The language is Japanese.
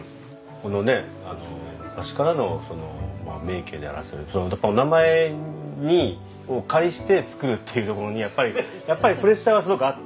このね昔からの名家であらせるそのお名前にお借りして作るっていうところにやっぱりプレッシャーがすごくあって。